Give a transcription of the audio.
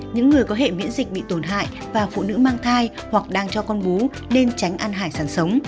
những người có hệ miễn dịch bị tổn hại và phụ nữ mang thai hoặc đang cho con bú nên tránh ăn hải sản sống